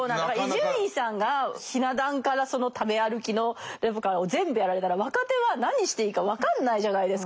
伊集院さんがひな壇からその食べ歩きのレポからを全部やられたら若手は何していいか分かんないじゃないですか。